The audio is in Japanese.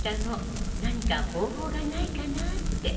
何か方法がないかなって。